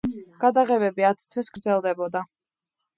გადაღებები ათ თვეს გრძელდებოდა.